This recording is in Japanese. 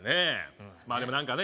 まあでも何かね